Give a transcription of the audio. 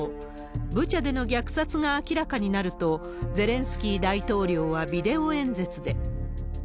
ブチャでの虐殺が明らかになると、ゼレンスキー大統領はビデオ演説で。